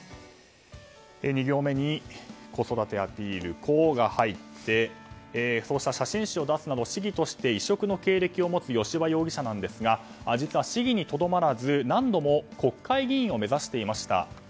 ２行目に子育てアピール「コ」が入ってそうした写真集を出すなど市議として異色の経歴を持つ吉羽容疑者なんですが実は市議にとどまらず何度も国会議員を目指していました。